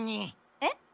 えっ？